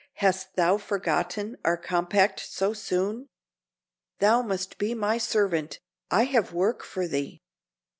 "Hast thou forgotten our compact so soon? Thou must be my servant. I have work for thee."